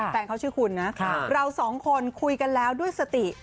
แฟนเขาชื่อคุณนะเราสองคนคุยกันแล้วด้วยสติ